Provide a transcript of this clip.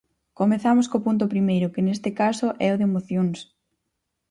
Comezamos co punto primeiro, que neste caso é o de mocións.